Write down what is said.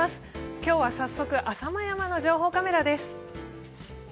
今日は早速浅間山の情報カメラです。